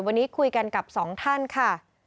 วันนี้คุยกันกับสองท่านค่ะ